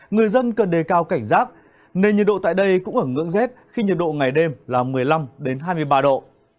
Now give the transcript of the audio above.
người dân cần đề cao cảnh giác nền nhiệt độ tại đây cũng ở ngưỡng rét khi nhiệt độ ngày đêm là một mươi năm hai mươi ba độ